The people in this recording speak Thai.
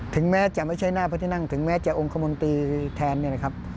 ถึงแม้จะไม่ใช่หน้าพระที่นั่งถึงแม้จะองค์คมนตรีแทนเนี่ยนะครับ